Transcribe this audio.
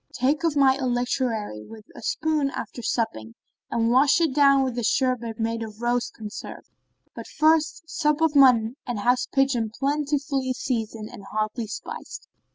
Take of my electuary with a spoon after supping, and wash it down with a sherbet made of rose conserve; but first sup off mutton and house pigeon plentifully seasoned and hotly spiced."